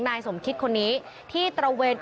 นายสมคิดคนนี้ที่ตระเวน